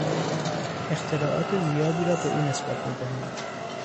اختراعات زیادی را به او نسبت میدهند.